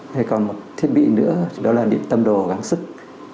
thế còn một thiết bị nữa đó là điện tâm đồ gắn sức